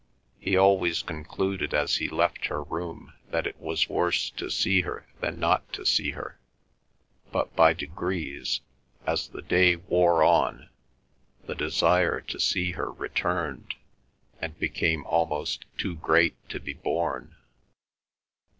He always concluded as he left her room that it was worse to see her than not to see her, but by degrees, as the day wore on, the desire to see her returned and became almost too great to be borne.